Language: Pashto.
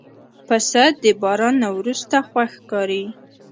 پسه د باران نه وروسته خوښ ښکاري.